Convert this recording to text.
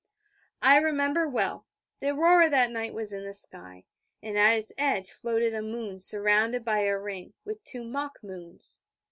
I remember well: the aurora that night was in the sky, and at its edge floated a moon surrounded by a ring, with two mock moons.